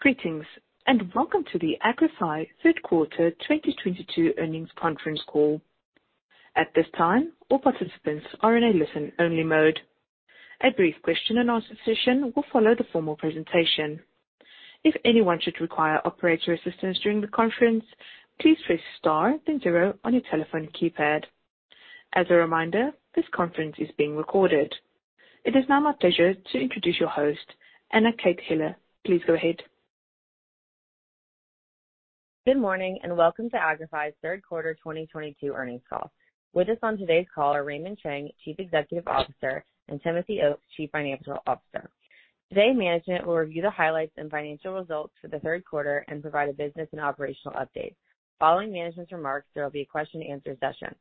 Greetings, and welcome to the Agrify Third Quarter 2022 Earnings Conference Call. At this time, all participants are in a listen-only mode. A brief question and answer session will follow the formal presentation. If anyone should require operator assistance during the conference, please press Star then zero on your telephone keypad. As a reminder, this conference is being recorded. It is now my pleasure to introduce your host, Anna Kate Heller. Please go ahead. Good morning, and welcome to Agrify's third quarter 2022 earnings call. With us on today's call are Raymond Chang, Chief Executive Officer, and Timothy Oakes, Chief Financial Officer. Today, management will review the highlights and financial results for the third quarter and provide a business and operational update. Following management's remarks, there will be a question and answer session.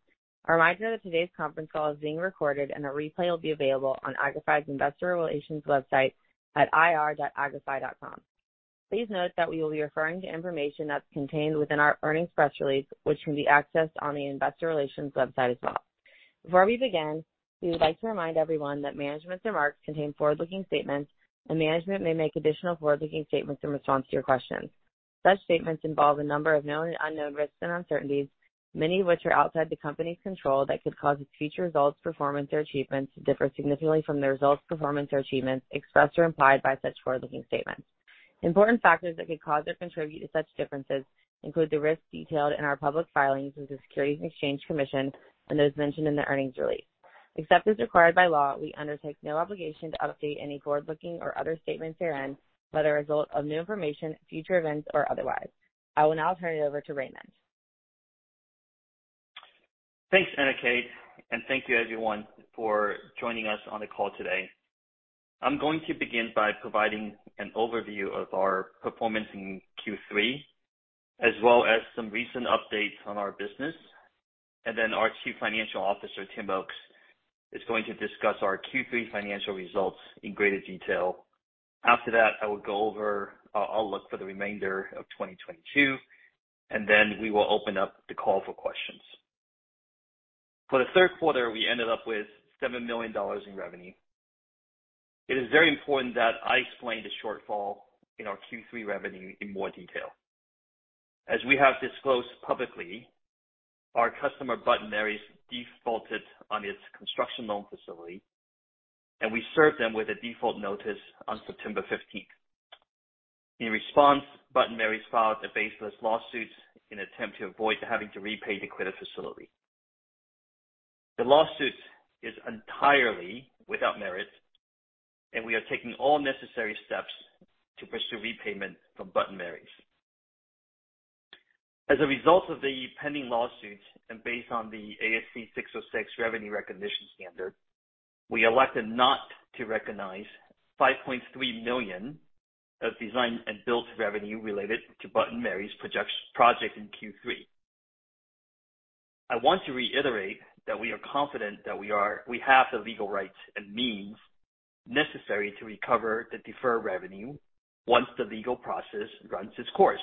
A reminder that today's conference call is being recorded and a replay will be available on Agrify's investor relations website at ir.agrify.com. Please note that we will be referring to information that's contained within our earnings press release, which can be accessed on the investor relations website as well. Before we begin, we would like to remind everyone that management's remarks contain forward-looking statements, and management may make additional forward-looking statements in response to your questions. Such statements involve a number of known and unknown risks and uncertainties, many of which are outside the company's control, that could cause its future results, performance or achievements to differ significantly from the results, performance or achievements expressed or implied by such forward-looking statements. Important factors that could cause or contribute to such differences include the risks detailed in our public filings with the Securities and Exchange Commission and those mentioned in the earnings release. Except as required by law, we undertake no obligation to update any forward-looking or other statements herein, whether as a result of new information, future events or otherwise. I will now turn it over to Raymond. Thanks, Anna Kate, and thank you everyone for joining us on the call today. I'm going to begin by providing an overview of our performance in Q3 as well as some recent updates on our business. Our Chief Financial Officer, Tim Oakes, is going to discuss our Q3 financial results in greater detail. After that, I will go over our outlook for the remainder of 2022, and we will open up the call for questions. For the third quarter, we ended up with $7 million in revenue. It is very important that I explain the shortfall in our Q3 revenue in more detail. As we have disclosed publicly, our customer, Bud & Mary's, defaulted on its construction loan facility, and we served them with a default notice on September fifteenth. In response, Bud & Mary's filed a baseless lawsuit in an attempt to avoid having to repay the credit facility. The lawsuit is entirely without merit, and we are taking all necessary steps to pursue repayment from Bud & Mary's. As a result of the pending lawsuit and based on the ASC 606 revenue recognition standard, we elected not to recognize $5.3 million of design and build revenue related to Bud & Mary's project in Q3. I want to reiterate that we are confident that we have the legal rights and means necessary to recover the deferred revenue once the legal process runs its course.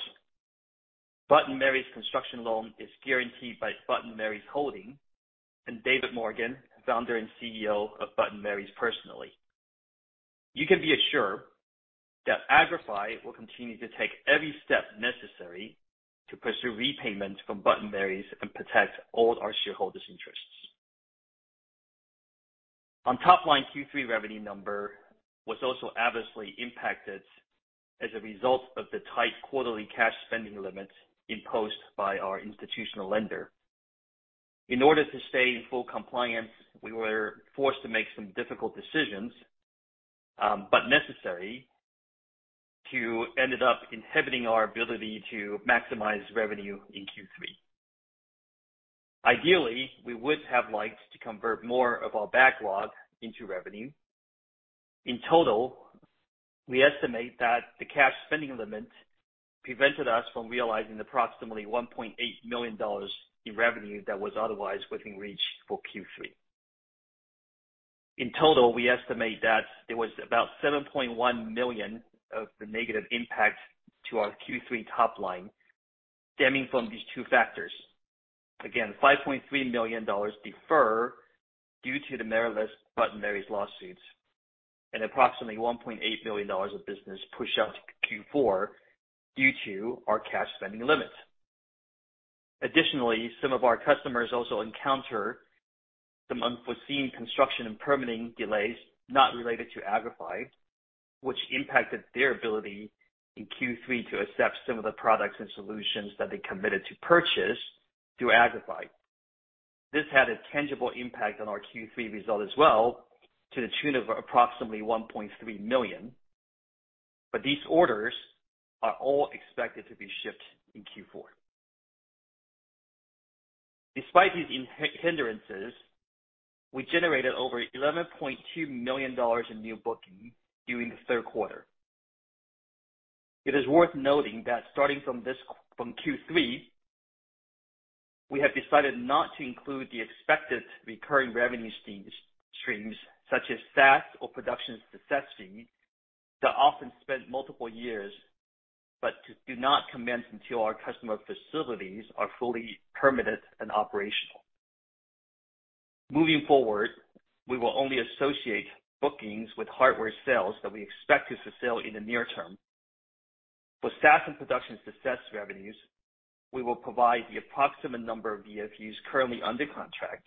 Bud & Mary's construction loan is guaranteed by Bud & Mary's Holding and David Morgan, Founder and CEO of Bud & Mary's personally. You can be assured that Agrify will continue to take every step necessary to pursue repayment from Bud & Mary's and protect all our shareholders' interests. Our top-line Q3 revenue number was also adversely impacted as a result of the tight quarterly cash spending limits imposed by our institutional lender. In order to stay in full compliance, we were forced to make some difficult decisions but necessary that ended up inhibiting our ability to maximize revenue in Q3. Ideally, we would have liked to convert more of our backlog into revenue. In total, we estimate that the cash spending limit prevented us from realizing approximately $1.8 million in revenue that was otherwise within reach for Q3. In total, we estimate that there was about $7.1 million of the negative impact to our Q3 top line stemming from these two factors. Again, $5.3 million deferred due to the meritless Bud & Mary's lawsuits and approximately $1.8 million of business pushed out to Q4 due to our cash spending limits. Additionally, some of our customers also encounter some unforeseen construction and permitting delays not related to Agrify, which impacted their ability in Q3 to accept some of the products and solutions that they committed to purchase through Agrify. This had a tangible impact on our Q3 result as well to the tune of approximately $1.3 million. These orders are all expected to be shipped in Q4. Despite these hindrances, we generated over $11.2 million in new booking during the third quarter. It is worth noting that starting from Q3, we have decided not to include the expected recurring revenue streams such as SaaS or production success fees that often span multiple years but do not commence until our customer facilities are fully permitted and operational. Moving forward, we will only associate bookings with hardware sales that we expect to fulfill in the near term. For SaaS and production success revenues, we will provide the approximate number of VFUs currently under contract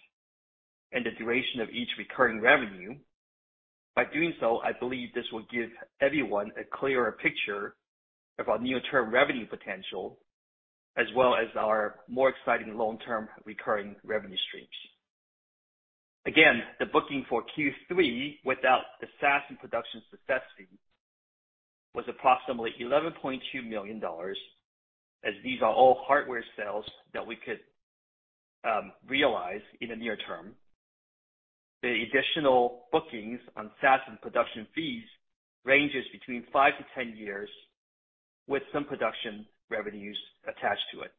and the duration of each recurring revenue. By doing so, I believe this will give everyone a clearer picture of our near-term revenue potential, as well as our more exciting long-term recurring revenue streams. Again, the booking for Q3 without the SaaS and production success fee was approximately $11.2 million, as these are all hardware sales that we could realize in the near term. The additional bookings on SaaS and production fees ranges between five to 10 years, with some production revenues attached to it.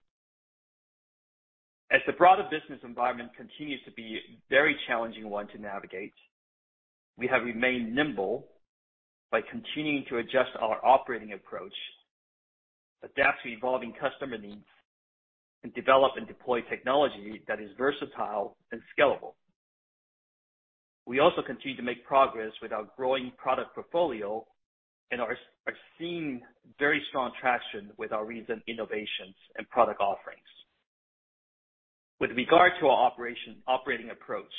As the broader business environment continues to be a very challenging one to navigate, we have remained nimble by continuing to adjust our operating approach, adapt to evolving customer needs, and develop and deploy technology that is versatile and scalable. We also continue to make progress with our growing product portfolio and are seeing very strong traction with our recent innovations and product offerings. With regard to our operation, operating approach,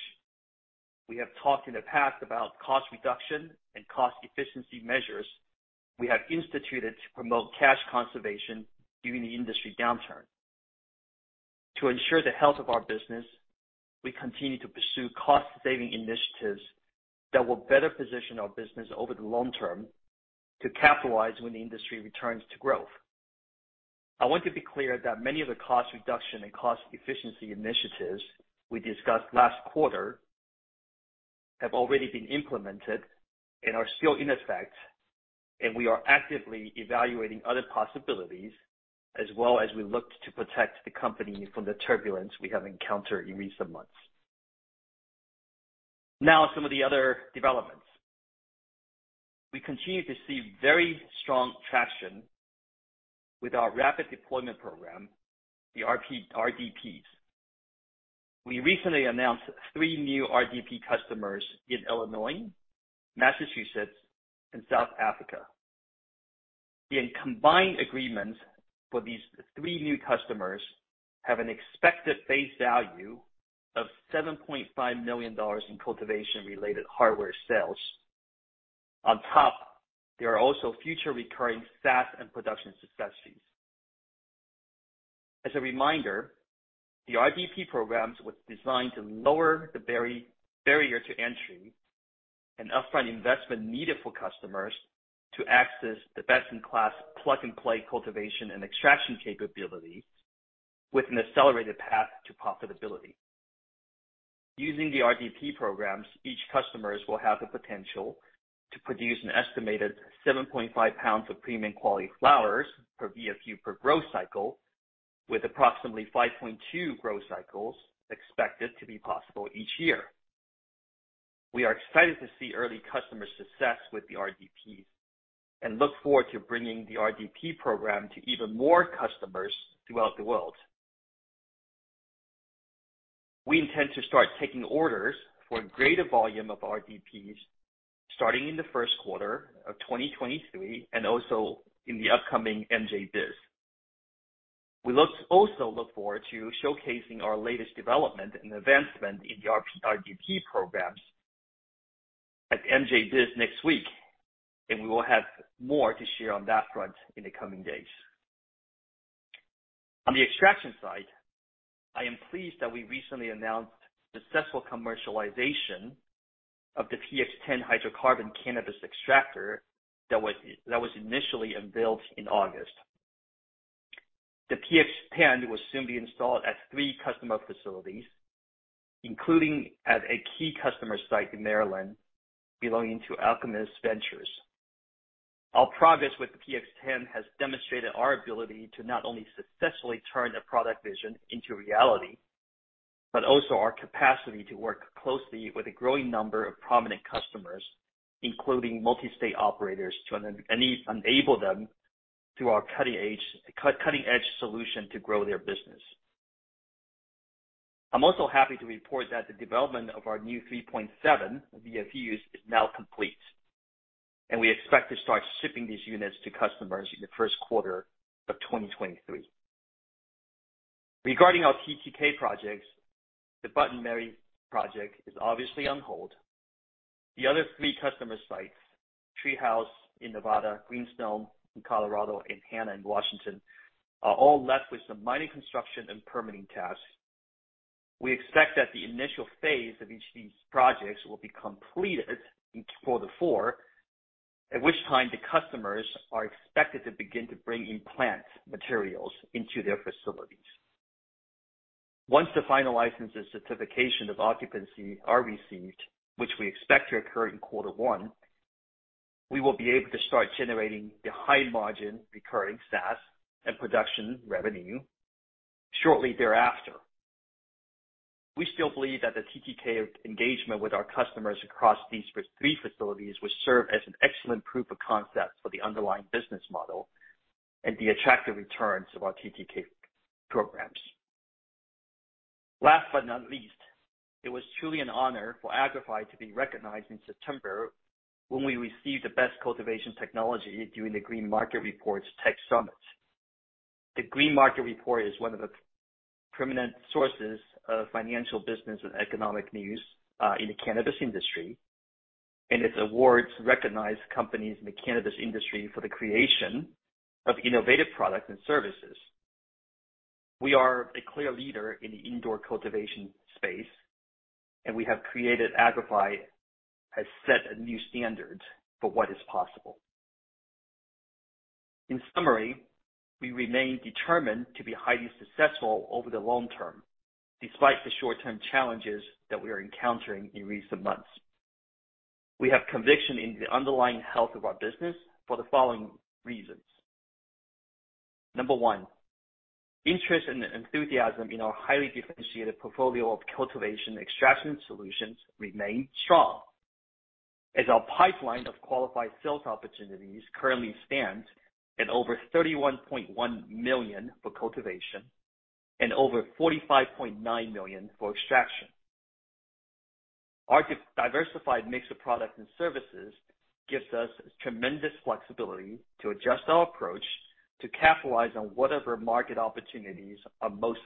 we have talked in the past about cost reduction and cost efficiency measures we have instituted to promote cash conservation during the industry downturn. To ensure the health of our business, we continue to pursue cost-saving initiatives that will better position our business over the long term to capitalize when the industry returns to growth. I want to be clear that many of the cost reduction and cost efficiency initiatives we discussed last quarter have already been implemented and are still in effect, and we are actively evaluating other possibilities as well as we look to protect the company from the turbulence we have encountered in recent months. Now some of the other developments. We continue to see very strong traction with our rapid deployment program, the RDPs. We recently announced three new RDP customers in Illinois, Massachusetts, and South Africa. The combined agreements for these three new customers have an expected face value of $7.5 million in cultivation-related hardware sales. On top, there are also future recurring SaaS and production success fees. As a reminder, the RDP programs was designed to lower the barrier to entry and upfront investment needed for customers to access the best-in-class plug-and-play cultivation and extraction capability with an accelerated path to profitability. Using the RDP programs, each customers will have the potential to produce an estimated 7.5 lbs of premium quality flowers per VFU per growth cycle, with approximately 5.2 growth cycles expected to be possible each year. We are excited to see early customer success with the RDP and look forward to bringing the RDP program to even more customers throughout the world. We intend to start taking orders for a greater volume of RDPs starting in the first quarter of 2023 and also in the upcoming MJBizCon. We also look forward to showcasing our latest development and advancement in the RDP programs at MJBizCon next week, and we will have more to share on that front in the coming days. On the extraction side, I am pleased that we recently announced successful commercialization of the PX10 hydrocarbon cannabis extractor that was initially unveiled in August. The PX10 will soon be installed at three customer facilities, including at a key customer site in Maryland belonging to Alchemist Ventures. Our progress with the PX10 has demonstrated our ability to not only successfully turn a product vision into reality, but also our capacity to work closely with a growing number of prominent customers, including multi-state operators, to enable them through our cutting-edge solution to grow their business. I'm also happy to report that the development of our new 3.7 VFUs is now complete, and we expect to start shipping these units to customers in the first quarter of 2023. Regarding our TTK projects, the Bud & Mary's project is obviously on hold. The other three customer sites, Vegas Treehouse in Nevada, Greenstone in Colorado, and Hannah Industries in Washington, are all left with some remaining, construction, and permitting tasks. We expect that the initial phase of each of these projects will be completed in quarter four, at which time the customers are expected to begin to bring in plant materials into their facilities. Once the final license and certification of occupancy are received, which we expect to occur in quarter one, we will be able to start generating the high-margin recurring SaaS and production revenue shortly thereafter. We still believe that the TTK engagement with our customers across these three facilities will serve as an excellent proof of concept for the underlying business model and the attractive returns of our TTK programs. Last but not least, it was truly an honor for Agrify to be recognized in September when we received the Best Cultivation Technology during the Green Market Report's Tech Summit. The Green Market Report is one of the permanent sources of financial business and economic news in the cannabis industry, and its awards recognize companies in the cannabis industry for the creation of innovative products and services. We are a clear leader in the indoor cultivation space, and Agrify has set a new standard for what is possible. In summary, we remain determined to be highly successful over the long term, despite the short-term challenges that we are encountering in recent months. We have conviction in the underlying health of our business for the following reasons. Number one, interest and enthusiasm in our highly differentiated portfolio of cultivation extraction solutions remain strong as our pipeline of qualified sales opportunities currently stands at over $31.1 million for cultivation and over $45.9 million for extraction. Our diversified mix of products and services gives us tremendous flexibility to adjust our approach to capitalize on whatever market opportunities are most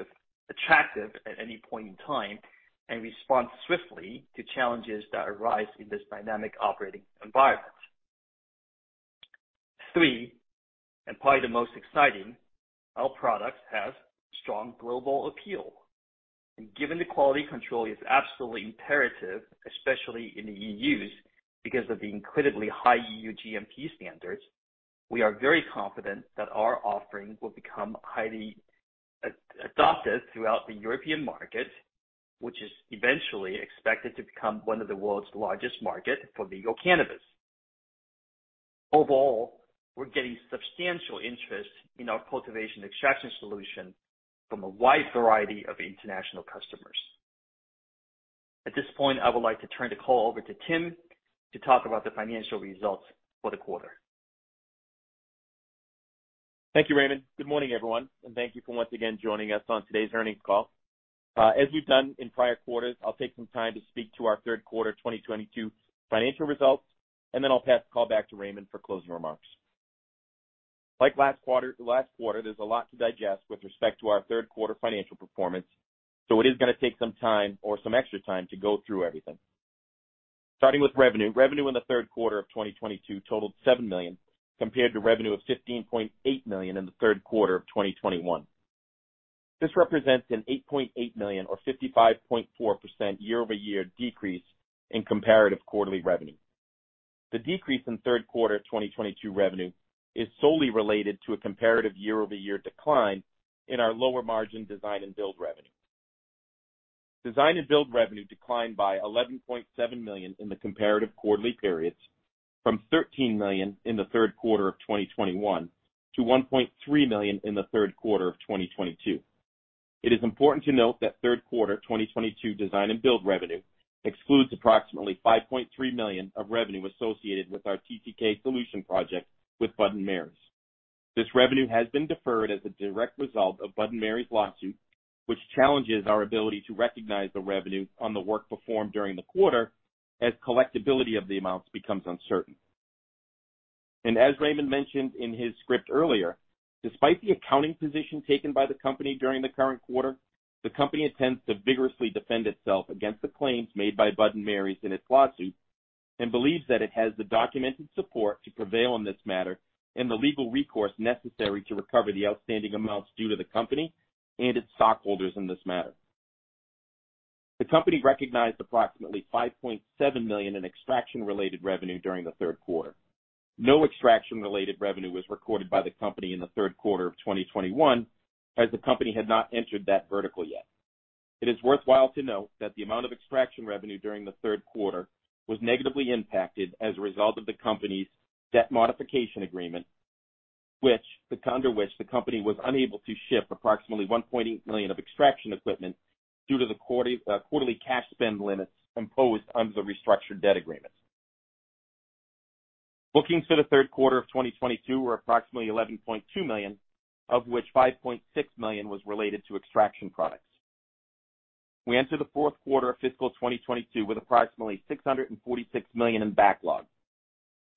attractive at any point in time and respond swiftly to challenges that arise in this dynamic operating environment. Three, and probably the most exciting, our products have strong global appeal. Given the quality control is absolutely imperative, especially in the E.U.'s because of the incredibly high E.U. GMP standards, we are very confident that our offerings will become highly adopted throughout the European market, which is eventually expected to become one of the world's largest market for legal cannabis. Overall, we're getting substantial interest in our cultivation extraction solution from a wide variety of international customers. At this point, I would like to turn the call over to Tim Oakes to talk about the financial results for the quarter. Thank you, Raymond. Good morning, everyone, and thank you for once again joining us on today's earnings call. As we've done in prior quarters, I'll take some time to speak to our third quarter 2022 financial results, and then I'll pass the call back to Raymond for closing remarks. Like last quarter, there's a lot to digest with respect to our third quarter financial performance, so it is gonna take some time or some extra time to go through everything. Starting with revenue. Revenue in the third quarter of 2022 totaled $7 million, compared to revenue of $15.8 million in the third quarter of 2021. This represents an $8.8 million or 55.4% year-over-year decrease in comparative quarterly revenue. The decrease in third quarter 2022 revenue is solely related to a comparative year-over-year decline in our lower margin design and build revenue. Design and build revenue declined by $11.7 million in the comparative quarterly periods from $13 million in the third quarter of 2021 to $1.3 million in the third quarter of 2022. It is important to note that third quarter 2022 design and build revenue excludes approximately $5.3 million of revenue associated with our TTK solution project with Bud & Mary's. This revenue has been deferred as a direct result of Bud &Mary's lawsuit, which challenges our ability to recognize the revenue on the work performed during the quarter as collectability of the amounts becomes uncertain. As Raymond mentioned in his script earlier, despite the accounting position taken by the company during the current quarter, the company intends to vigorously defend itself against the claims made by Bud & Mary's in its lawsuit and believes that it has the documented support to prevail on this matter and the legal recourse necessary to recover the outstanding amounts due to the company and its stockholders in this matter. The company recognized approximately $5.7 million in extraction-related revenue during the third quarter. No extraction-related revenue was recorded by the company in the third quarter of 2021, as the company had not entered that vertical yet. It is worthwhile to note that the amount of extraction revenue during the third quarter was negatively impacted as a result of the company's debt modification agreement, under which the company was unable to ship approximately $1.8 million of extraction equipment due to the quarterly cash spend limits imposed under the restructured debt agreement. Bookings for the third quarter of 2022 were approximately $11.2 million, of which $5.6 million was related to extraction products. We enter the fourth quarter of fiscal 2022 with approximately $646 million in backlog.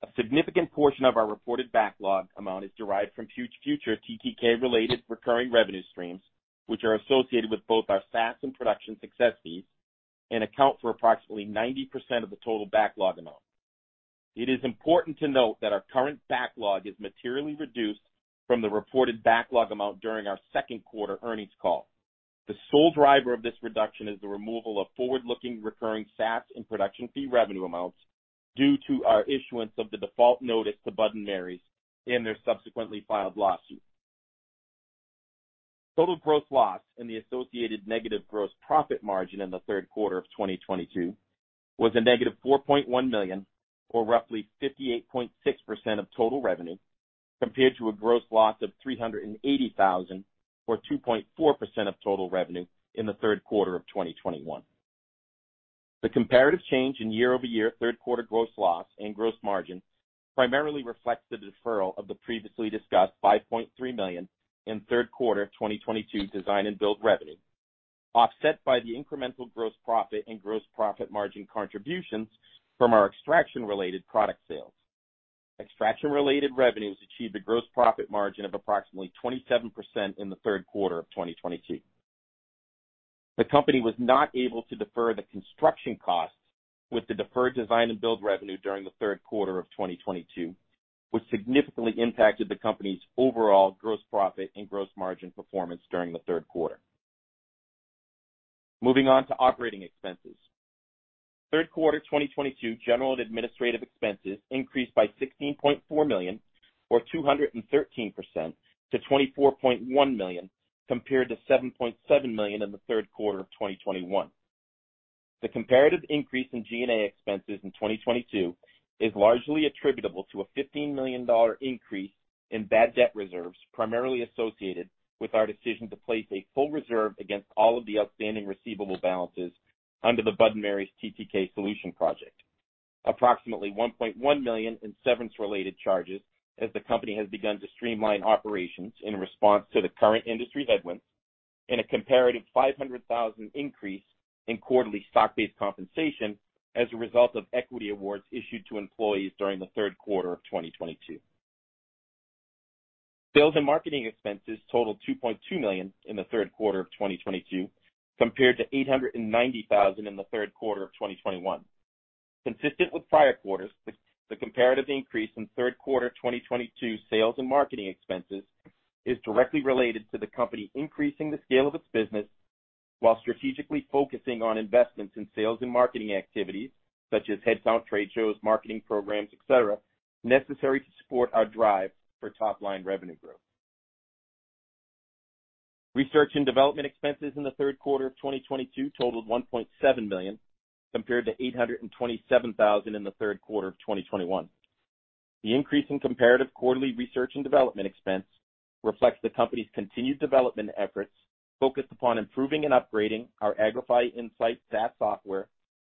A significant portion of our reported backlog amount is derived from future TTK-related recurring revenue streams, which are associated with both our SaaS and production success fees and account for approximately 90% of the total backlog amount. It is important to note that our current backlog is materially reduced from the reported backlog amount during our second quarter earnings call. The sole driver of this reduction is the removal of forward-looking recurring SaaS and production fee revenue amounts due to our issuance of the default notice to Bud & Mary's and their subsequently filed lawsuit. Total gross loss and the associated negative gross profit margin in the third quarter of 2022 was a negative $4.1 million or roughly 58.6% of total revenue, compared to a gross loss of $380,000 or 2.4% of total revenue in the third quarter of 2021. The comparative change in year-over-year third quarter gross loss and gross margin primarily reflects the deferral of the previously discussed $5.3 million in third quarter 2022 design and build revenue, offset by the incremental gross profit and gross profit margin contributions from our extraction-related product sales. Extraction-related revenues achieved a gross profit margin of approximately 27% in the third quarter of 2022. The company was not able to defer the construction costs with the deferred design and build revenue during the third quarter of 2022, which significantly impacted the company's overall gross profit and gross margin performance during the third quarter. Moving on to operating expenses. Third quarter 2022 general and administrative expenses increased by $16.4 million, or 213% to $24.1 million compared to $7.7 million in the third quarter of 2021. The comparative increase in G&A expenses in 2022 is largely attributable to a $15 million increase in bad debt reserves, primarily associated with our decision to place a full reserve against all of the outstanding receivable balances under the Bud & Mary's TTK Solution project. Approximately $1.1 million in severance-related charges as the company has begun to streamline operations in response to the current industry headwinds, and a comparative $500,000 increase in quarterly stock-based compensation as a result of equity awards issued to employees during the third quarter of 2022. Sales and marketing expenses totaled $2.2 million in the third quarter of 2022, compared to $890,000 in the third quarter of 2021. Consistent with prior quarters, the comparative increase in third quarter 2022 sales and marketing expenses is directly related to the company increasing the scale of its business while strategically focusing on investments in sales and marketing activities such as hands-on trade shows, marketing programs, et cetera, necessary to support our drive for top-line revenue growth. Research and development expenses in the third quarter of 2022 totaled $1.7 million, compared to $827,000 in the third quarter of 2021. The increase in comparative quarterly research and development expense reflects the company's continued development efforts focused upon improving and upgrading our Agrify Insights SaaS software,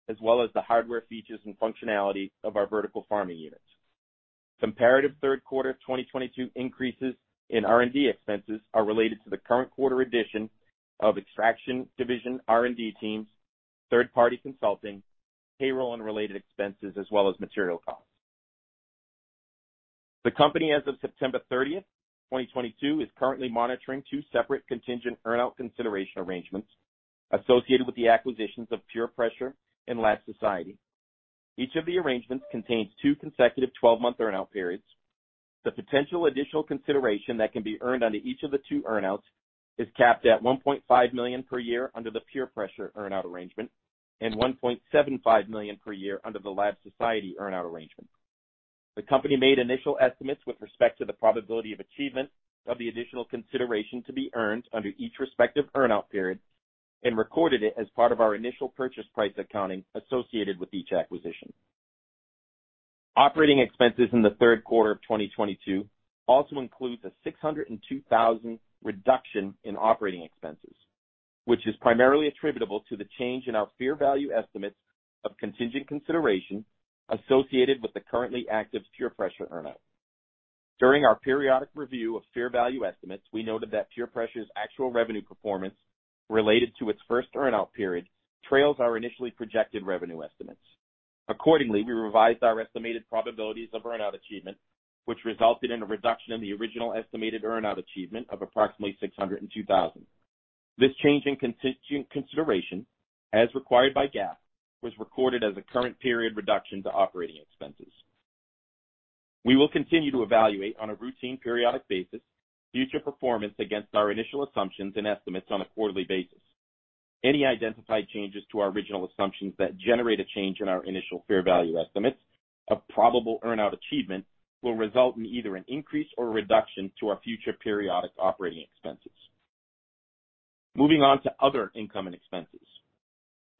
as well as the hardware features and functionality of our vertical farming units. Comparative third quarter 2022 increases in R&D expenses are related to the current quarter addition of extraction division R&D teams, third-party consulting, payroll, and related expenses, as well as material costs. The company, as of September 30th, 2022, is currently monitoring two separate contingent earnout consideration arrangements associated with the acquisitions of PurePressure and Lab Society. Each of the arrangements contains two consecutive 12-month earnout periods. The potential additional consideration that can be earned under each of the two earnouts is capped at $1.5 million per year under the PurePressure earnout arrangement and $1.75 million per year under the Lab Society earnout arrangement. The company made initial estimates with respect to the probability of achievement of the additional consideration to be earned under each respective earnout period and recorded it as part of our initial purchase price accounting associated with each acquisition. Operating expenses in the third quarter of 2022 also includes a $602,000 reduction in operating expenses, which is primarily attributable to the change in our fair value estimates of contingent consideration associated with the currently active PurePressure earnout. During our periodic review of fair value estimates, we noted that PurePressure's actual revenue performance related to its first earnout period trails our initially projected revenue estimates. Accordingly, we revised our estimated probabilities of earnout achievement, which resulted in a reduction in the original estimated earnout achievement of approximately $602,000. This change in contingent consideration, as required by GAAP, was recorded as a current period reduction to operating expenses. We will continue to evaluate on a routine periodic basis future performance against our initial assumptions and estimates on a quarterly basis. Any identified changes to our original assumptions that generate a change in our initial fair value estimates of probable earnout achievement will result in either an increase or a reduction to our future periodic operating expenses. Moving on to other income and expenses.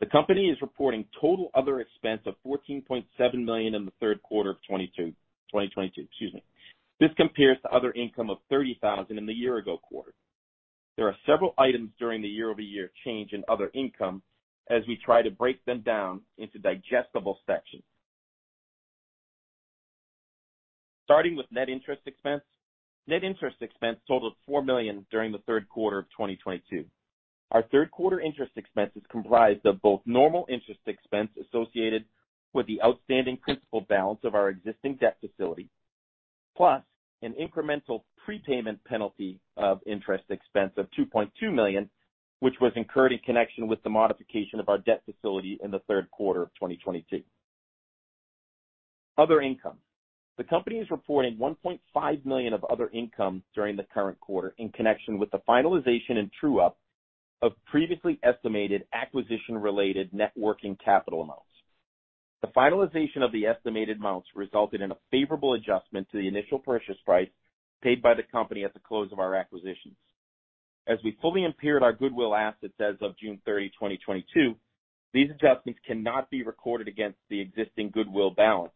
The company is reporting total other expense of $14.7 million in the third quarter of 2022. This compares to other income of $30,000 in the year-ago quarter. There are several items during the year-over-year change in other income as we try to break them down into digestible sections. Starting with net interest expense. Net interest expense totaled $4 million during the third quarter of 2022. Our third quarter interest expense is comprised of both normal interest expense associated with the outstanding principal balance of our existing debt facility, plus an incremental prepayment penalty of interest expense of $2.2 million, which was incurred in connection with the modification of our debt facility in the third quarter of 2022. Other income. The company is reporting $1.5 million of other income during the current quarter in connection with the finalization and true-up of previously estimated acquisition-related net working capital amounts. The finalization of the estimated amounts resulted in a favorable adjustment to the initial purchase price paid by the company at the close of our acquisitions. As we fully impaired our goodwill assets as of June 30, 2022, these adjustments cannot be recorded against the existing goodwill balance,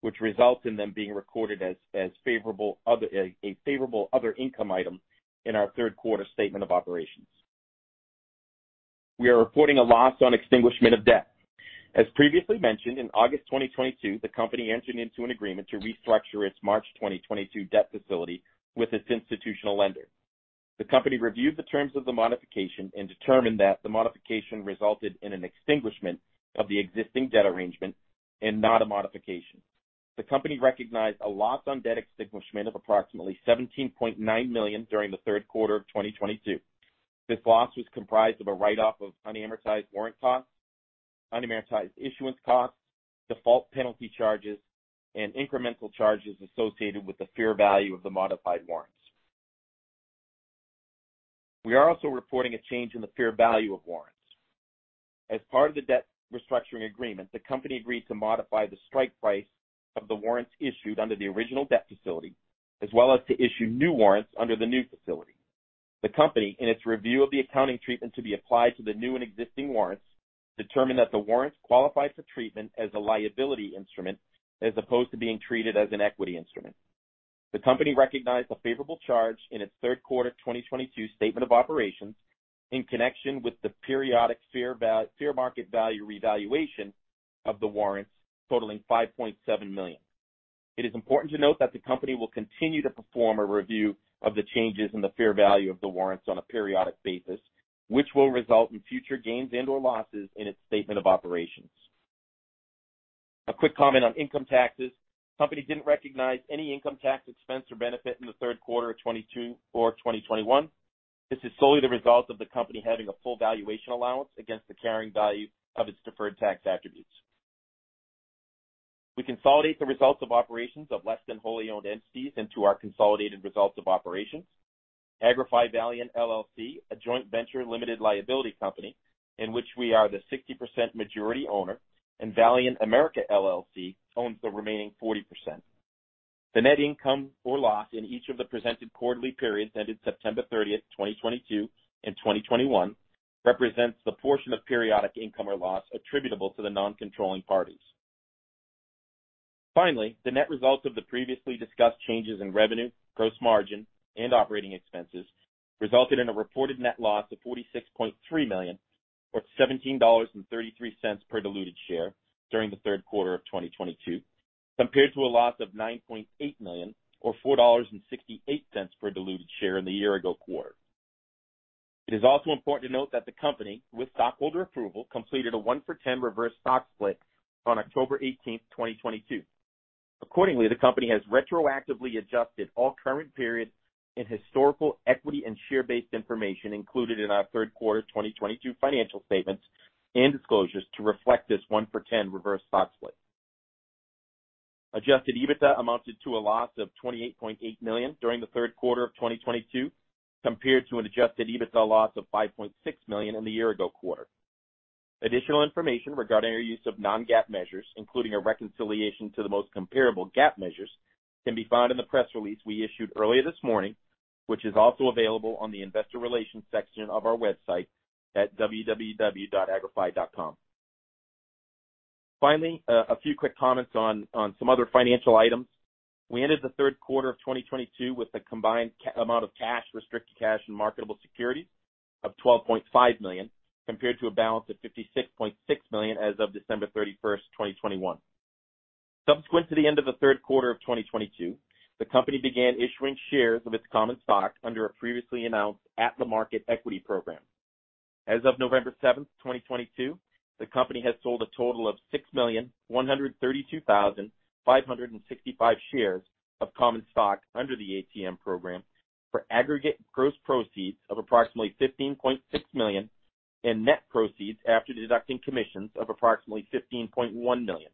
which results in them being recorded as a favorable other income item in our third quarter statement of operations. We are reporting a loss on extinguishment of debt. As previously mentioned, in August 2022, the company entered into an agreement to restructure its March 2022 debt facility with its institutional lender. The company reviewed the terms of the modification and determined that the modification resulted in an extinguishment of the existing debt arrangement and not a modification. The company recognized a loss on debt extinguishment of approximately $17.9 million during the third quarter of 2022. This loss was comprised of a write-off of unamortized warrant costs, unamortized issuance costs, default penalty charges, and incremental charges associated with the fair value of the modified warrants. We are also reporting a change in the fair value of warrants. As part of the debt restructuring agreement, the company agreed to modify the strike price of the warrants issued under the original debt facility, as well as to issue new warrants under the new facility. The company, in its review of the accounting treatment to be applied to the new and existing warrants, determined that the warrants qualify for treatment as a liability instrument as opposed to being treated as an equity instrument. The company recognized a favorable charge in its third quarter 2022 statement of operations in connection with the periodic fair market value revaluation of the warrants, totaling $5.7 million. It is important to note that the company will continue to perform a review of the changes in the fair value of the warrants on a periodic basis, which will result in future gains and/or losses in its statement of operations. A quick comment on income taxes. Company didn't recognize any income tax expense or benefit in the third quarter of 2022 or 2021. This is solely the result of the company having a full valuation allowance against the carrying value of its deferred tax attributes. We consolidate the results of operations of less than wholly owned entities into our consolidated results of operations. Agrify-Valiant LLC, a joint venture limited liability company in which we are the 60% majority owner, and Valiant-America LLC owns the remaining 40%. The net income or loss in each of the presented quarterly periods ended September 30th, 2022 and 2021, represents the portion of periodic income or loss attributable to the non-controlling parties. Finally, the net results of the previously discussed changes in revenue, gross margin, and operating expenses resulted in a reported net loss of $46.3 million, or $17.33 per diluted share during the third quarter of 2022, compared to a loss of $9.8 million or $4.68 per diluted share in the year ago quarter. It is also important to note that the company, with stockholder approval, completed a 1-for-10 reverse stock split on October 18th, 2022. Accordingly, the company has retroactively adjusted all current periods and historical equity and share-based information included in our third quarter 2022 financial statements and disclosures to reflect this 1-for-10 reverse stock split. Adjusted EBITDA amounted to a loss of $28.8 million during the third quarter of 2022, compared to an adjusted EBITDA loss of $5.6 million in the year ago quarter. Additional information regarding our use of non-GAAP measures, including a reconciliation to the most comparable GAAP measures, can be found in the press release we issued earlier this morning, which is also available on the investor relations section of our website at www.agrify.com. Finally, a few quick comments on some other financial items. We ended the third quarter of 2022 with a combined amount of cash, restricted cash and marketable securities of $12.5 million, compared to a balance of $56.6 million as of December 31st, 2021. Subsequent to the end of the third quarter of 2022, the company began issuing shares of its common stock under a previously announced at-the-market equity program. As of November 7th, 2022, the company has sold a total of 6,132,565 shares of common stock under the ATM program for aggregate gross proceeds of approximately $15.6 million and net proceeds after deducting commissions of approximately $15.1 million.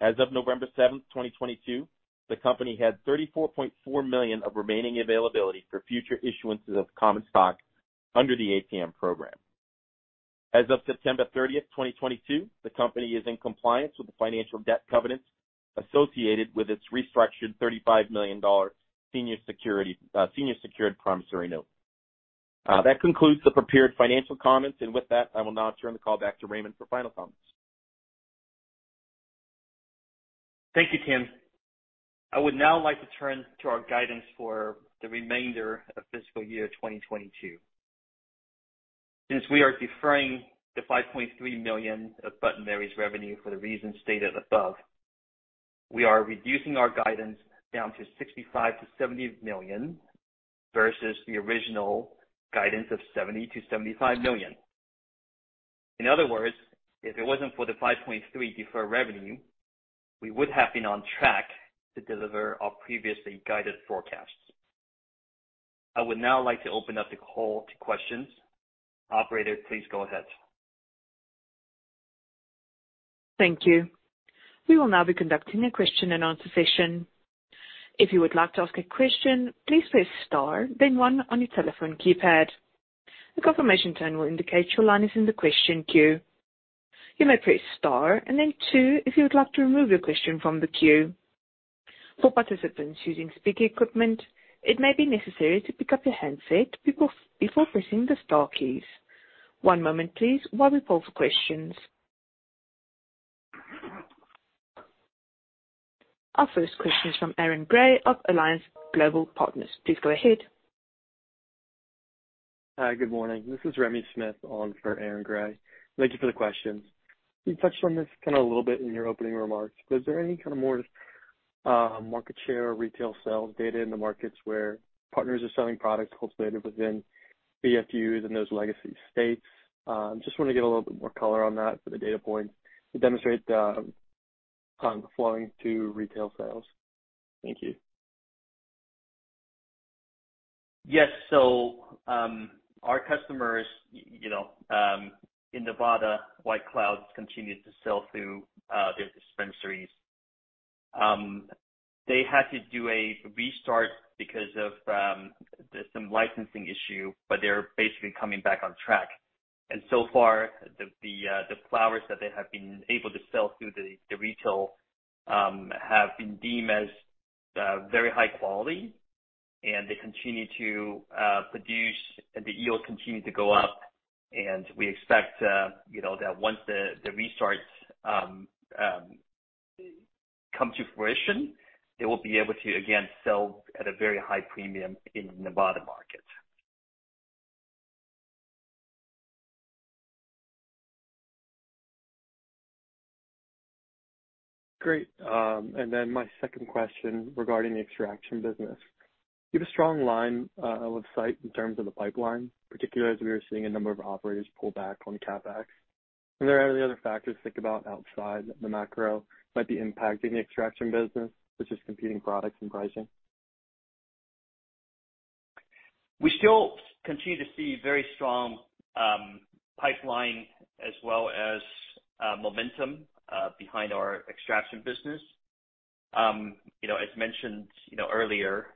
As of November 7th, 2022, the company had $34.4 million of remaining availability for future issuances of common stock under the ATM program. As of September 30th, 2022, the company is in compliance with the financial debt covenants associated with its restructured $35 million senior secured promissory note. That concludes the prepared financial comments. With that, I will now turn the call back to Raymond for final comments. Thank you, Tim. I would now like to turn to our guidance for the remainder of fiscal year 2022. Since we are deferring the $5.3 million of Bud & Mary's revenue for the reasons stated above, we are reducing our guidance down to $65 million-$70 million versus the original guidance of $70 million-$75 million. In other words, if it wasn't for the $5.3 million deferred revenue, we would have been on track to deliver our previously guided forecasts. I would now like to open up the call to questions. Operator, please go ahead. Thank you. We will now be conducting a question and answer session. If you would like to ask a question, please press star then one on your telephone keypad. A confirmation tone will indicate your line is in the question queue. You may press star and then two if you would like to remove your question from the queue. For participants using speaker equipment, it may be necessary to pick up your handset before pressing the star keys. One moment please while we poll for questions. Our first question is from Aaron Gray of Alliance Global Partners. Please go ahead. Hi. Good morning. This is Remy Smith on for Aaron Gray. Thank you for the questions. You touched on this kinda a little bit in your opening remarks, but is there any kinda more market share or retail sales data in the markets where partners are selling products cultivated within VFUs and those legacy states? Just wanna get a little bit more color on that for the data point to demonstrate the kind of flowing to retail sales. Thank you. Yes. Our customers, you know, in Nevada, White Cloud continued to sell through their dispensaries. They had to do a restart because of some licensing issue, but they're basically coming back on track. So far, the flowers that they have been able to sell through the retail have been deemed as very high quality and they continue to produce and the yield continue to go up. We expect, you know, that once the restarts come to fruition, they will be able to again sell at a very high premium in Nevada market. Great. Then my second question regarding the extraction business. You have a strong line of sight in terms of the pipeline, particularly as we are seeing a number of operators pull back on CapEx. Are there any other factors to think about outside the macro that might be impacting the extraction business, such as competing products and pricing? We still continue to see very strong pipeline as well as momentum behind our extraction business. You know, as mentioned earlier,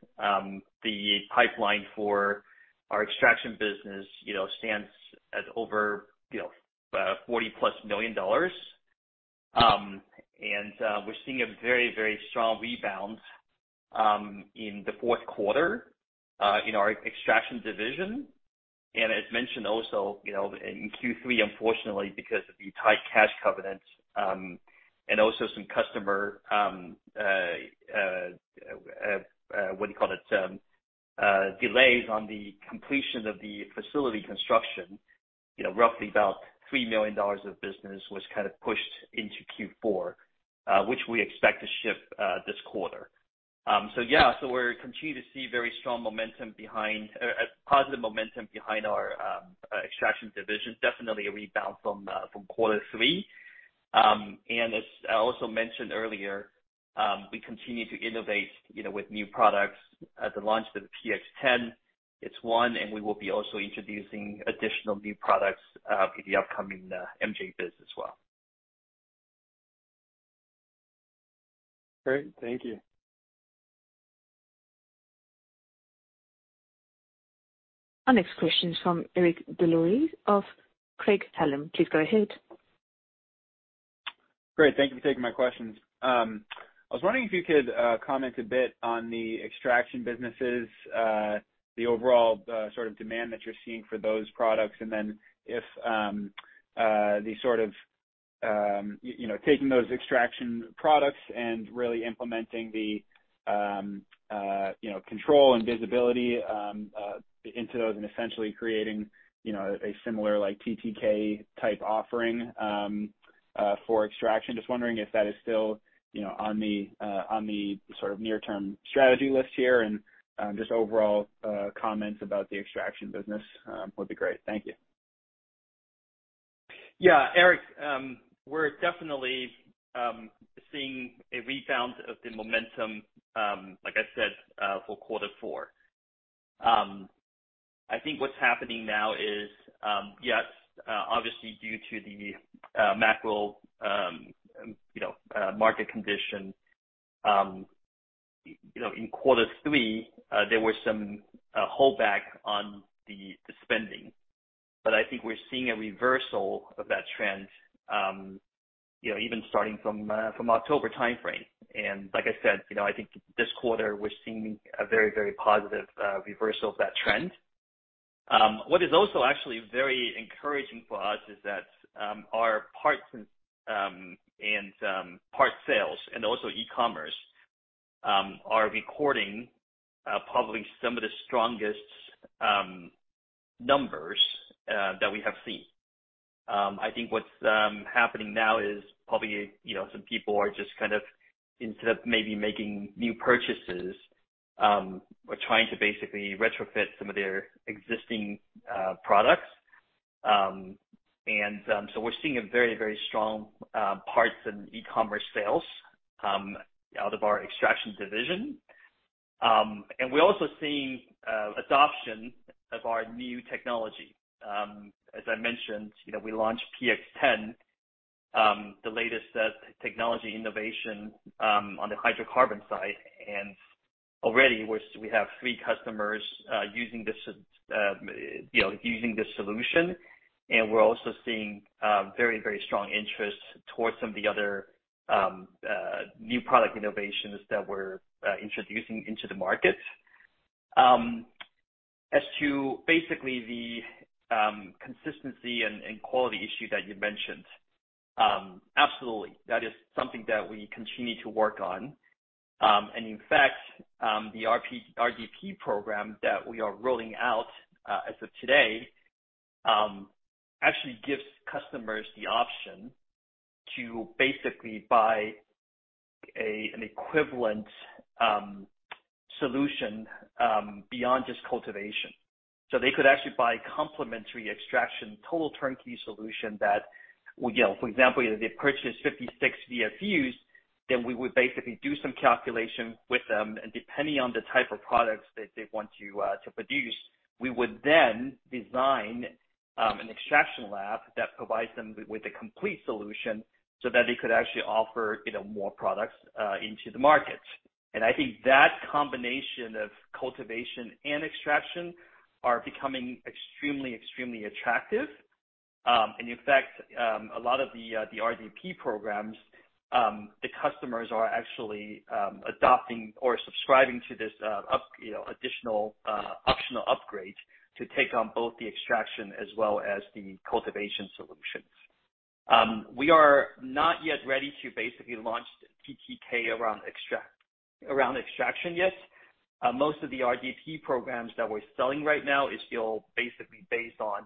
the pipeline for our extraction business stands at over $40+ million. We're seeing a very strong rebound in the fourth quarter in our extraction division. As mentioned also, you know, in Q3, unfortunately, because of the tight cash covenants and also some customer delays on the completion of the facility construction. You know, roughly about $3 million of business was kind of pushed into Q4, which we expect to ship this quarter. We're continuing to see very strong positive momentum behind our extraction division. Definitely a rebound from quarter three. As I also mentioned earlier, we continue to innovate, you know, with new products at the launch of the PX10, it's one, and we will be also introducing additional new products for the upcoming MJBizCon as well. Great. Thank you. Our next question is from Eric Des Lauriers of Craig-Hallum. Please go ahead. Great. Thank you for taking my questions. I was wondering if you could comment a bit on the extraction businesses, the overall, sort of demand that you're seeing for those products. Then if the sort of, you know, taking those extraction products and really implementing the, you know, control and visibility into those and essentially creating, you know, a similar like TTK type offering for extraction. Just wondering if that is still, you know, on the, on the sort of near term strategy list here and, just overall, comments about the extraction business would be great. Thank you. Yeah. Eric, we're definitely seeing a rebound of the momentum, like I said, for quarter four. I think what's happening now is, yes, obviously due to the macro, you know, market condition, you know, in quarter three, there were some holdback on the spending. I think we're seeing a reversal of that trend, you know, even starting from October timeframe. Like I said, you know, I think this quarter we're seeing a very, very positive reversal of that trend. What is also actually very encouraging for us is that our parts and parts sales and also e-commerce are recording probably some of the strongest numbers that we have seen. I think what's happening now is probably, you know, some people are just kind of instead of maybe making new purchases, are trying to basically retrofit some of their existing products. We're seeing a very, very strong parts and e-commerce sales out of our extraction division. We're also seeing adoption of our new technology. As I mentioned, you know, we launched PX10, the latest technology innovation, on the hydrocarbon side. Already we have three customers using this solution. We're also seeing very, very strong interest towards some of the other new product innovations that we're introducing into the market. As to basically the consistency and quality issue that you mentioned, absolutely. That is something that we continue to work on. In fact, the RDP program that we are rolling out, as of today, actually gives customers the option to basically buy an equivalent solution, beyond just cultivation. They could actually buy complementary extraction, total turnkey solution that, you know, for example, if they purchase 56 VFUs, then we would basically do some calculation with them, and depending on the type of products they want to produce, we would then design an extraction lab that provides them with the complete solution so that they could actually offer, you know, more products into the market. I think that combination of cultivation and extraction are becoming extremely attractive. In fact, a lot of the RDP programs, the customers are actually adopting or subscribing to this, you know, additional optional upgrade to take on both the extraction as well as the cultivation solutions. We are not yet ready to basically launch TTK around extraction yet. Most of the RDP programs that we're selling right now is still basically based on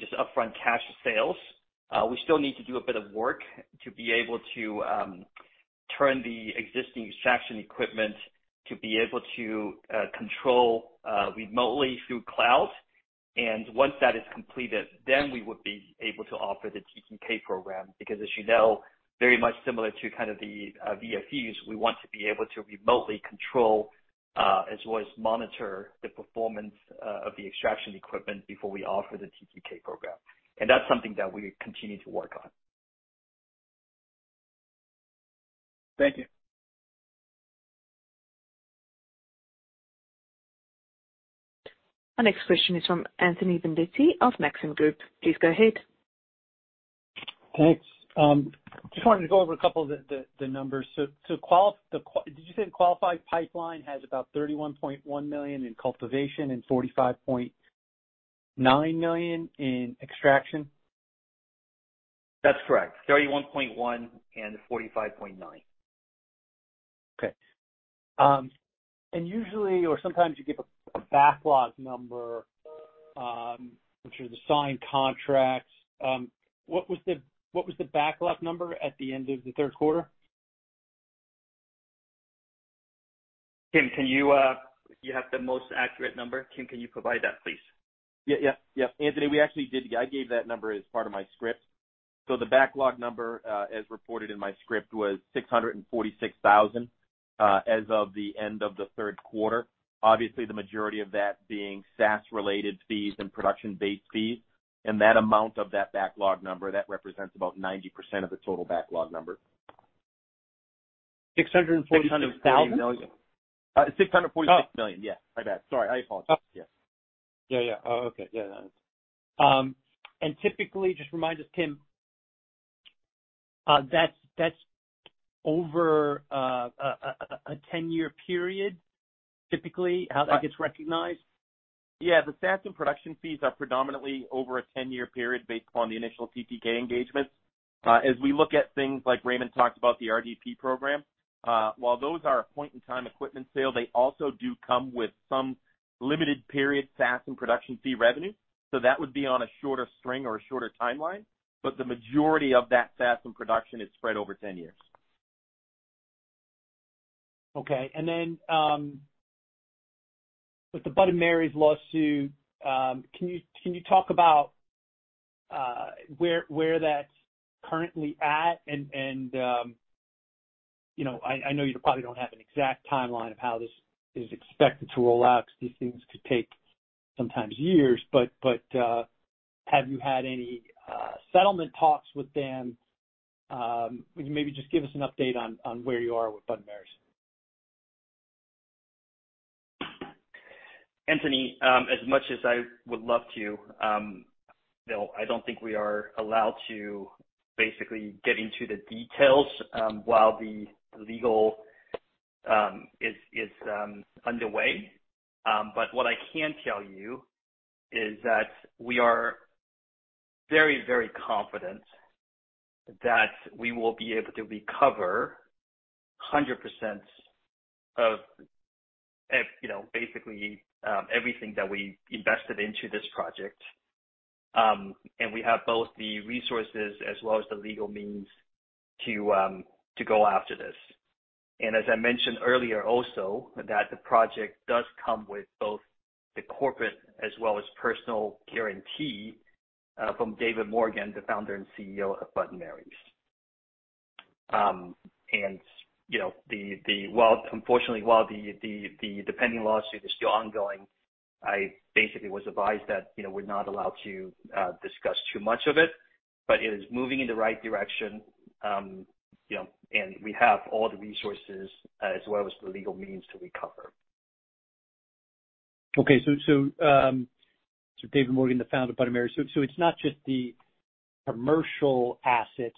just upfront cash sales. We still need to do a bit of work to be able to turn the existing extraction equipment to be able to control remotely through cloud. Once that is completed, then we would be able to offer the TTK program, because as you know, very much similar to kind of the VFUs, we want to be able to remotely control, as well as monitor the performance, of the extraction equipment before we offer the TTK program. That's something that we continue to work on. Thank you. Our next question is from Anthony Vendetti of Maxim Group. Please go ahead. Thanks. Just wanted to go over a couple of the numbers. Did you say the qualified pipeline has about $31.1 million in cultivation and $45.9 million in extraction? That's correct. $31.1 million and $45.9 million. Okay. Usually or sometimes you give a backlog number, which are the signed contracts. What was the backlog number at the end of the third quarter? Tim, you have the most accurate number. Tim, can you provide that, please? Yeah. Yep. Anthony, we actually did. I gave that number as part of my script. The backlog number, as reported in my script, was $646,000, as of the end of the third quarter. Obviously, the majority of that being SaaS related fees and production-based fees. That amount of that backlog number represents about 90% of the total backlog number. $646,000? $646 million. Yeah. My bad. Sorry. I apologize. Yeah. Yeah. Oh, okay. Yeah. Typically just remind us, Tim, that's over a 10-year period, typically how that gets recognized? Yeah. The SaaS and production fees are predominantly over a 10-year period based upon the initial TTK engagements. As we look at things like Raymond talked about, the RDP program, while those are a point-in-time equipment sale, they also do come with some limited period SaaS and production fee revenue. That would be on a shorter string or a shorter timeline, but the majority of that SaaS and production is spread over 10 years. Okay. With the Bud & Mary's lawsuit, can you talk about where that's currently at? You know, I know you probably don't have an exact timeline of how this is expected to roll out because these things could take sometimes years. Have you had any settlement talks with them? Would you maybe just give us an update on where you are with Bud & Mary's? Anthony, as much as I would love to, you know, I don't think we are allowed to basically get into the details while the legal is underway. What I can tell you is that we are very, very confident that we will be able to recover 100% of, you know, basically, everything that we invested into this project. We have both the resources as well as the legal means to go after this. As I mentioned earlier also, that the project does come with both the corporate as well as personal guarantee from David Morgan, the Founder and CEO of Bud & Mary's. Well, unfortunately, while the pending lawsuit is still ongoing, I basically was advised that, you know, we're not allowed to discuss too much of it, but it is moving in the right direction. You know, we have all the resources as well as the legal means to recover. David Morgan, the founder of Bud & Mary's. It's not just the commercial assets,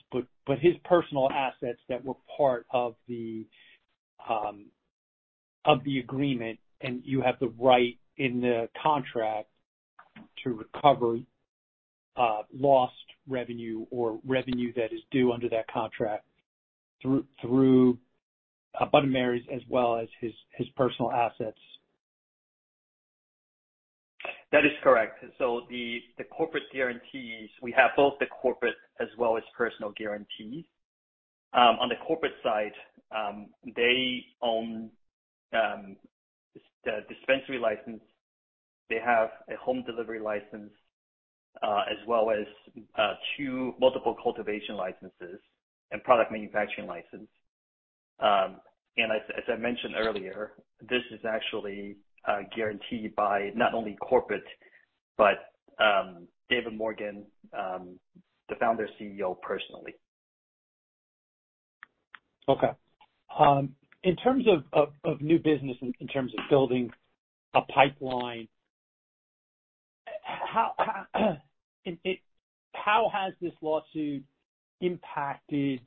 but his personal assets that were part of the agreement, and you have the right in the contract to recover lost revenue or revenue that is due under that contract through Bud & Mary's as well as his personal assets. That is correct. The corporate guarantees, we have both the corporate as well as personal guarantees. On the corporate side, they own the dispensary license. They have a home delivery license, as well as two multiple cultivation licenses and product manufacturing license. As I mentioned earlier, this is actually guaranteed by not only corporate but David Morgan, the Founder and CEO personally. Okay. In terms of new business, in terms of building a pipeline, how has this lawsuit impacted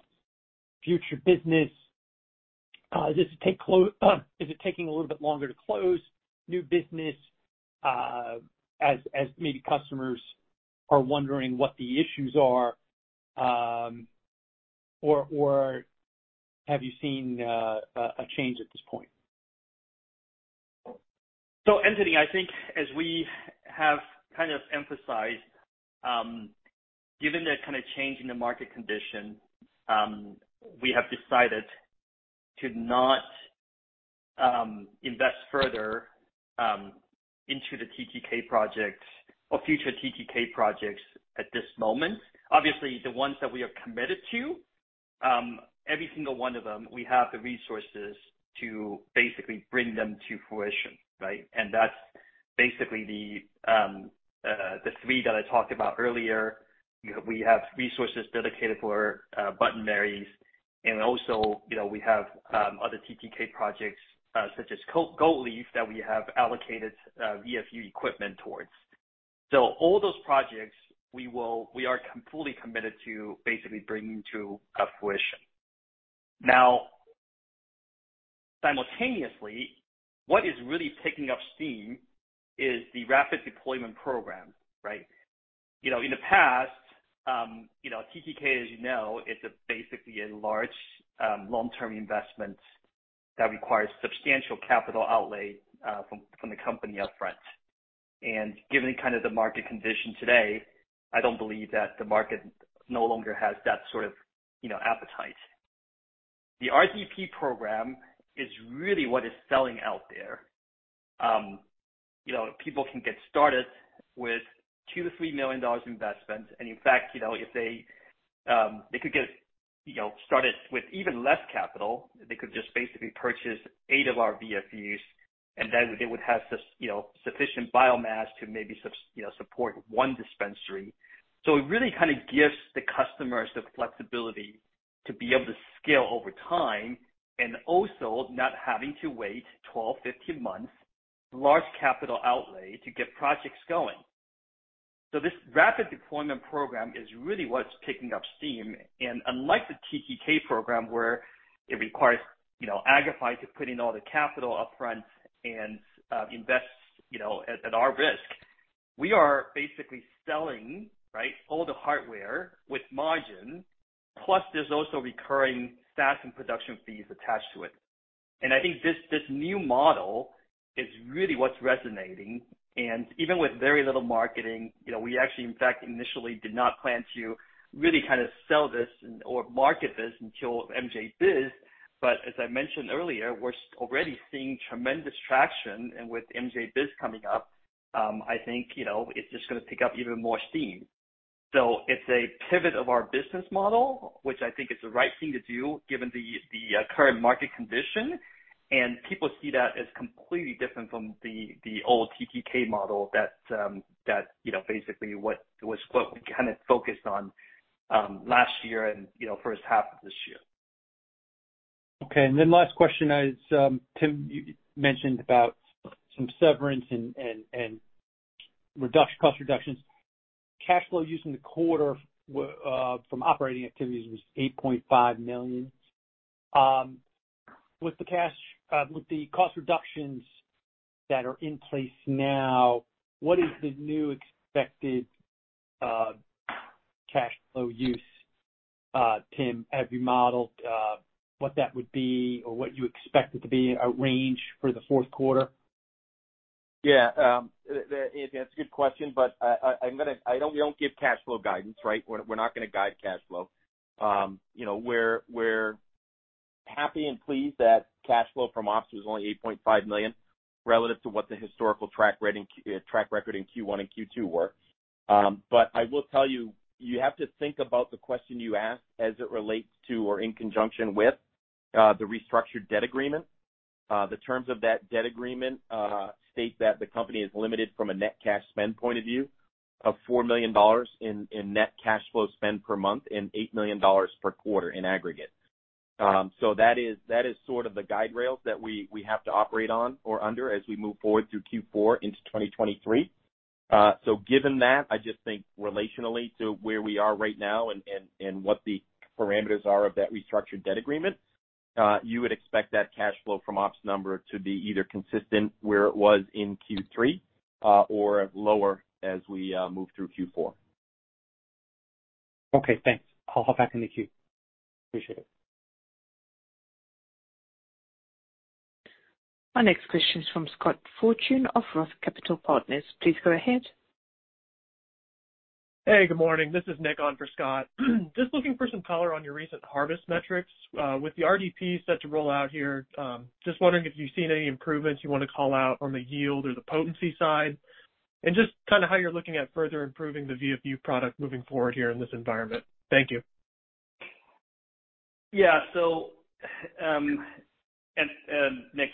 future business? Is it taking a little bit longer to close new business, as maybe customers are wondering what the issues are, or have you seen a change at this point? Anthony, I think as we have kind of emphasized, given the kind of change in the market condition, we have decided to not invest further into the TTK projects or future TTK projects at this moment. Obviously, the ones that we are committed to, every single one of them, we have the resources to basically bring them to fruition, right? That's basically the three that I talked about earlier. You know, we have resources dedicated for Bud & Mary's, and also, you know, we have other TTK projects, such as Gold Leaf, that we have allocated VFU equipment towards. All those projects we are fully committed to basically bringing to fruition. Now, simultaneously, what is really picking up steam is the rapid deployment program, right? You know, in the past, you know, TTK, as you know, is basically a large, long-term investment that requires substantial capital outlay, from the company upfront. Given kind of the market condition today, I don't believe that the market no longer has that sort of, you know, appetite. The RDP program is really what is selling out there. You know, people can get started with $2 million-$3 million investment. In fact, you know, if they could get, you know, started with even less capital. They could just basically purchase eight of our VFUs, and then they would have sufficient biomass to maybe support one dispensary. It really kind of gives the customers the flexibility to be able to scale over time and also not having to wait 12, 15 months, large capital outlay to get projects going. This rapid deployment program is really what's picking up steam. Unlike the TTK program, where it requires, you know, Agrify to put in all the capital upfront and invest, you know, at our risk. We are basically selling, right, all the hardware with margin, plus there's also recurring SaaS and production fees attached to it. I think this new model is really what's resonating. Even with very little marketing, you know, we actually, in fact, initially did not plan to really kind of sell this or market this until MJBizCon. As I mentioned earlier, we're already seeing tremendous traction. With MJBizCon coming up, I think, you know, it's just gonna pick up even more steam. It's a pivot of our business model, which I think is the right thing to do given the current market condition. People see that as completely different from the old TTK model that, you know, basically what we kind of focused on last year and, you know, first half of this year. Okay. Last question is, Tim, you mentioned about some severance and reduction, cost reductions. Cash flow use in the quarter from operating activities was $8.5 million. With the cost reductions that are in place now, what is the new expected cash flow use, Tim? Have you modeled what that would be or what you expect it to be, a range for the fourth quarter? Yeah. That's a good question, but I'm gonna, we don't give cash flow guidance, right? We're not gonna guide cash flow. You know, we're happy and pleased that cash flow from ops was only $8.5 million relative to what the historical track record in Q1 and Q2 were. I will tell you have to think about the question you asked as it relates to or in conjunction with the restructured debt agreement. The terms of that debt agreement state that the company is limited from a net cash spend point of view of $4 million in net cash flow spend per month and $8 million per quarter in aggregate. That is sort of the guide rails that we have to operate on or under as we move forward through Q4 into 2023. Given that, I just think relationally to where we are right now and what the parameters are of that restructured debt agreement, you would expect that cash flow from ops number to be either consistent where it was in Q3, or lower as we move through Q4. Okay, thanks. I'll hop back in the queue. Appreciate it. Our next question is from Scott Fortune of Roth Capital Partners. Please go ahead. Hey, good morning. This is Nick on for Scott. Just looking for some color on your recent harvest metrics, with the RDP set to roll out here, just wondering if you've seen any improvements you wanna call out on the yield or the potency side? Just kinda how you're looking at further improving the VFU product moving forward here in this environment. Thank you. Yeah. Nick,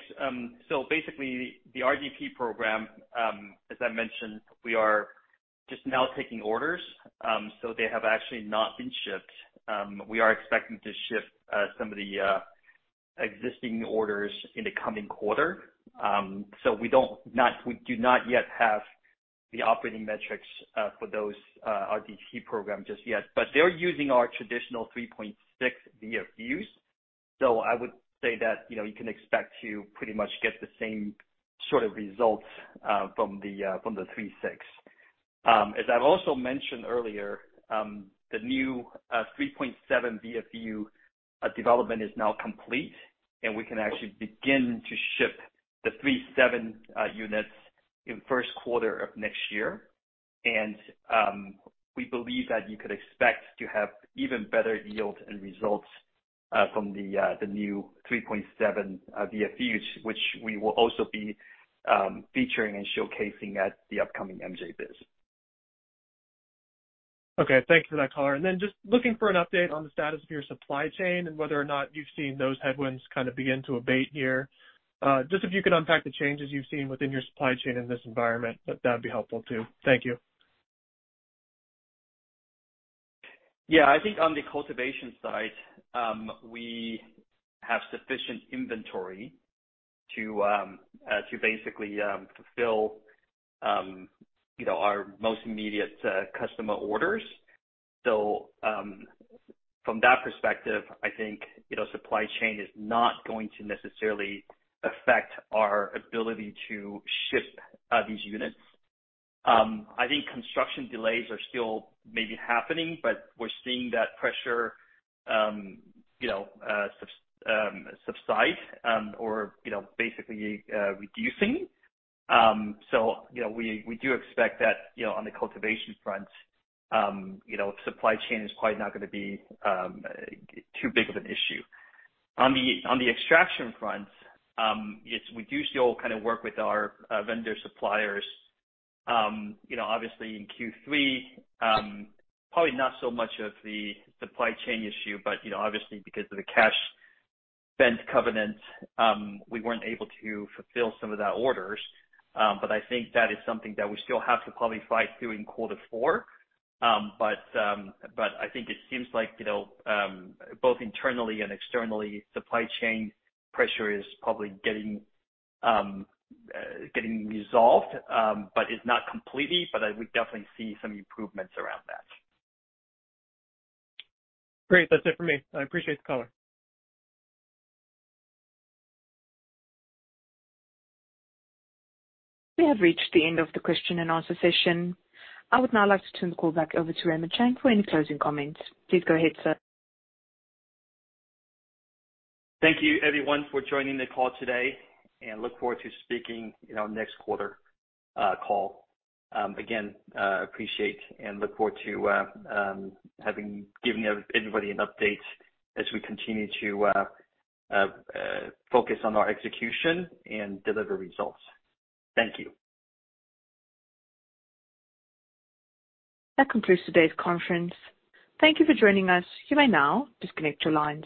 basically the RDP program, as I mentioned, we are just now taking orders, so they have actually not been shipped. We are expecting to ship some of the existing orders in the coming quarter. We do not yet have the operating metrics for those RDP program just yet, but they're using our traditional 3.6 VFUs. I would say that, you know, you can expect to pretty much get the same sort of results from the 3.6. As I've also mentioned earlier, the new 3.7 VFU development is now complete, and we can actually begin to ship the 3.7 units in first quarter of next year. We believe that you could expect to have even better yield and results from the new 3.7 VFUs, which we will also be featuring and showcasing at the upcoming MJBizCon. Okay. Thank you for that color. Just looking for an update on the status of your supply chain and whether or not you've seen those headwinds kind of begin to abate here. Just if you could unpack the changes you've seen within your supply chain in this environment, that'd be helpful too. Thank you. Yeah. I think on the cultivation side, we have sufficient inventory to basically fulfill, you know, our most immediate customer orders. From that perspective, I think, you know, supply chain is not going to necessarily affect our ability to ship these units. I think construction delays are still maybe happening, but we're seeing that pressure, you know, subside or, you know, basically reducing. You know, we do expect that, you know, on the cultivation front, you know, supply chain is quite not gonna be too big of an issue. On the extraction front, it's we do still kind of work with our vendor suppliers. You know, obviously in Q3, probably not so much of the supply chain issue, but, you know, obviously because of the cash spend covenant, we weren't able to fulfill some of those orders. I think that is something that we still have to probably fight through in quarter four. I think it seems like, you know, both internally and externally, supply chain pressure is probably getting resolved, but it's not completely, but I would definitely see some improvements around that. Great. That's it for me. I appreciate the color. We have reached the end of the question and answer session. I would now like to turn the call back over to Raymond Chang for any closing comments. Please go ahead, sir. Thank you everyone for joining the call today and look forward to speaking in our next quarter, call. Again, appreciate and look forward to giving everybody an update as we continue to focus on our execution and deliver results. Thank you. That concludes today's conference. Thank you for joining us. You may now disconnect your lines.